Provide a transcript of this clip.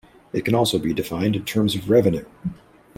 It can also be defined in terms of revenue.